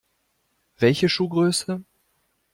Welche Schuhgröße?